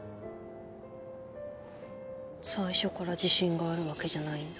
最初から自信があるわけじゃないんだ。